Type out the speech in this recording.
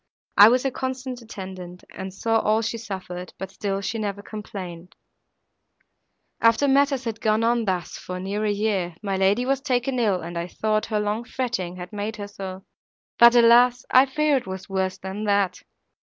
I was her constant attendant, and saw all she suffered, but still she never complained. "After matters had gone on thus, for near a year, my lady was taken ill, and I thought her long fretting had made her so,—but, alas! I fear it was worse than that."